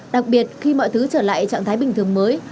đặc biệt khi mọi thứ trở lại trạng thái bình thường mới